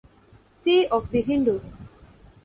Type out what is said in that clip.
C of The Hindu.